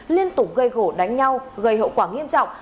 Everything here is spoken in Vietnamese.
liên tục gây gỗ đánh nhau gây hậu quả nghiêm trọng